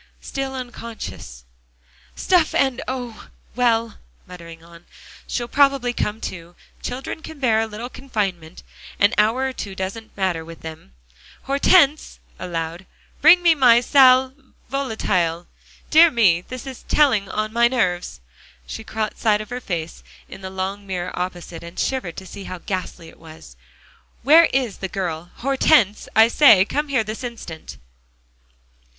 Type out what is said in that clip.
"Still unconscious" "Stuff and oh! well," muttering on. "She'll probably come to. Children can bear a little confinement; an hour or two doesn't matter with them Hortense!" aloud, "bring me my sal volatile. Dear me! this is telling on my nerves." She caught sight of her face in the long mirror opposite, and shivered to see how ghastly it was. "Where is the girl? Hortense, I say, come here this instant!"